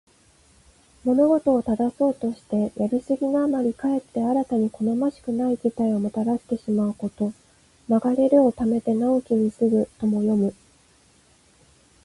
物事を正そうとして、やりすぎのあまりかえって新たに好ましくない事態をもたらしてしまうこと。「枉れるを矯めて直きに過ぐ」とも読む。